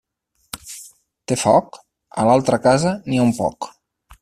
Té foc? A l'altra casa n'hi ha un poc.